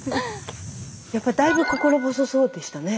やっぱりだいぶ心細そうでしたね。